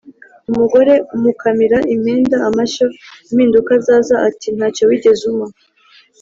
Umugore umukamira impenda (amashyo) impinduka zaza ati ntacyo wigeze umpa.